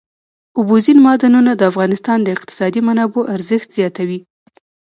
اوبزین معدنونه د افغانستان د اقتصادي منابعو ارزښت زیاتوي.